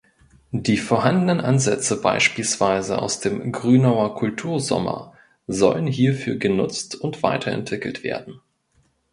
Die vorhandenen Ansätze beispielsweise aus dem "Grünauer Kultursommer" sollen hierfür genutzt und weiterentwickelt werden.